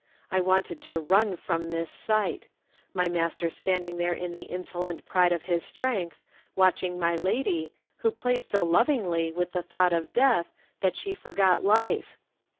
I wanted to nm from this sight: my master standing there in the insolent pride of his strength, watching my lady, who played so lovingly with the thought of death that she forgot life.